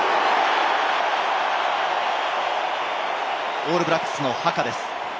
オールブラックスのハカです。